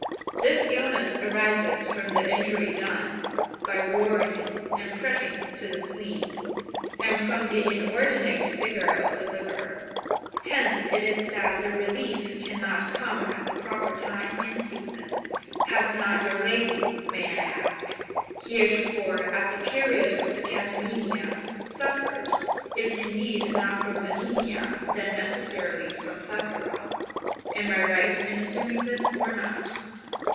This illness arises from the injury done, by worrying and fretting, to the spleen, and from the inordinate vigour of the liver; hence it is that the relief cannot come at the proper time and season. Has not your lady, may I ask, heretofore at the period of the catamenia, suffered, if indeed not from anaemia, then necessarily from plethora? Am I right in assuming this or not?"